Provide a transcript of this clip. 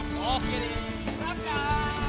jogja imas datang